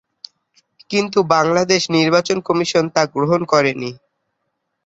কিন্তু বাংলাদেশ নির্বাচন কমিশন তা গ্রহণ করে নি।